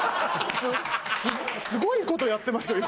すごい事をやってますよ